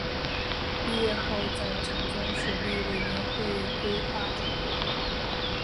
毕业后在长江水利委员会规划处工。